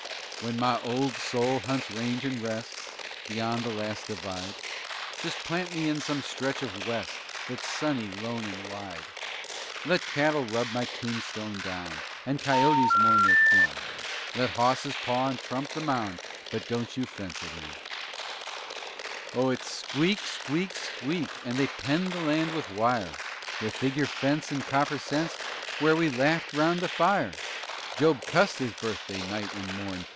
_ When my old soul hunts range and rest Beyond the last divide, Just plant me in some stretch of West That's sunny, lone and wide. Let cattle rub my tombstone down And coyotes mourn their kin, Let hawses paw and tromp the moun' But don't you fence it in! Oh, it's squeak! squeak! squeak! And they pen the land with wire. They figure fence and copper cents Where we laughed 'round the fire. _Job cussed his birthday, night and morn.